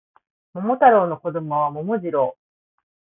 桃太郎の子供は桃次郎